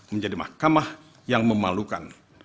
menjadi mahkamah yang memalukan